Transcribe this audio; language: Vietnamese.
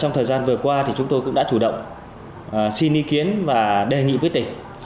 trong thời gian vừa qua thì chúng tôi cũng đã chủ động xin ý kiến và đề nghị với tỉnh